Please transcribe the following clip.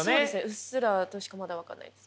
うっすらとしかまだ分かんないです。